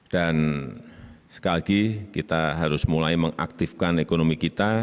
dan sekali lagi kita harus mulai mengaktifkan ekonomi kita